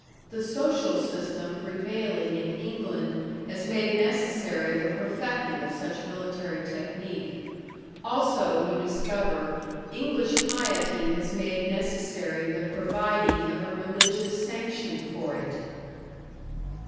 The social system prevailing in England has made necessary the perfecting of such military technique; also, you discover, English piety has made necessary the providing of a religious sanction for it.